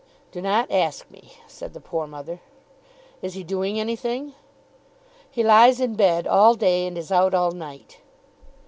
"Do not ask me," said the poor mother. "Is he doing anything?" "He lies in bed all day, and is out all night."